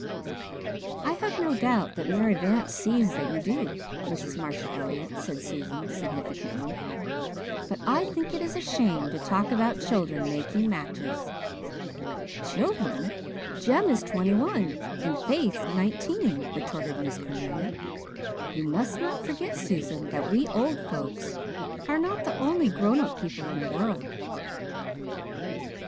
"I have no doubt that Mary Vance sees that you do, Mrs. Marshall Elliott," said Susan significantly, "but I think it is a shame to talk about children making matches." "Children! Jem is twenty one and Faith is nineteen," retorted Miss Cornelia. "You must not forget, Susan, that we old folks are not the only grown up people in the world."